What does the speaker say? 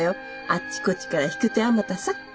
あっちこっちから引く手あまたさ。